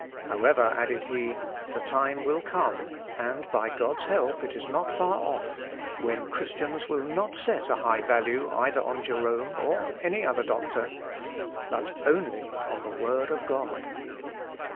However," added he, "the time will come, (and, by God's help, it is not far off,) when Christians will not set a high value either on Jerome or any other doctor, but only on the word of God."